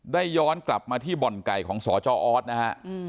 ย้อนกลับมาที่บ่อนไก่ของสจออสนะฮะ